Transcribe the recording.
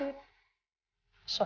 jesse tolong ya